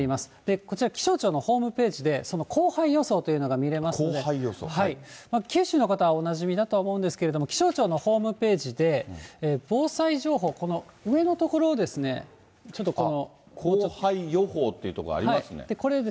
こちら、気象庁のホームページで、降灰予想というのが見られますので、九州の方はおなじみだと思うんですけど、気象庁のホームページで、防災情報、この上の所、ちょっとこの。